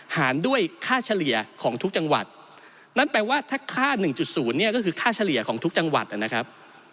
หารด้วยค่าเฉลี่ยของทุกจังหวัดนั่นแปลว่าถ้าค่า๑๐เนี่ยก็คือค่าเฉลี่ยของทุกจังหวัดนะครับ